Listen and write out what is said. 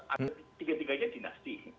ada tiga tiganya dinasti